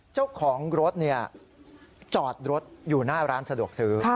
เจ้าของรถจอดรถอยู่หน้าร้านสะดวกซื้อ